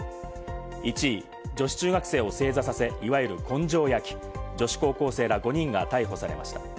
１位、女子中学生を正座させ、いわゆる根性焼き、女子高校生ら５人が逮捕されました。